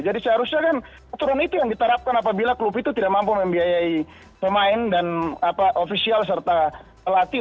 jadi seharusnya kan aturan itu yang diterapkan apabila klub itu tidak mampu membiayai pemain dan ofisial serta pelatih